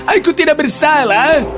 aku tidak bersalah